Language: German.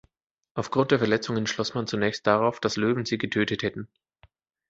Aufgrund der Verletzungen schloss man zunächst darauf, dass Löwen sie getötet hätten.